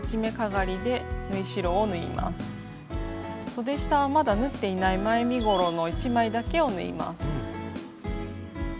そで下はまだ縫っていない前身ごろの１枚だけを縫います。